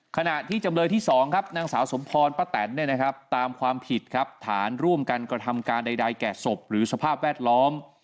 ขณะที่จำเลยที่๒ครับนางสาวสมพรป้าแตนตามความผิดครับฐานร่วมกันกระทำการใดแก่ศพหรือสภาพแวดล้อม